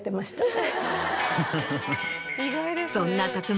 そんな工